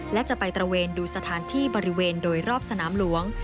และจะไปตระเวนดูสถานที่บริเวณโดยรอบสนามหลวง